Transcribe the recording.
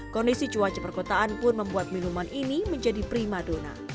kondisi cuaca perkotaan pun membuat minuman ini menjadi prima dona